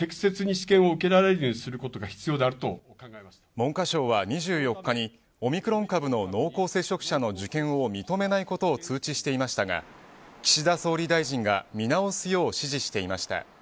文科省は２４日にオミクロン株の濃厚接触者の受験を認めないことを通知していましたが岸田総理大臣が見直すよう指示していました。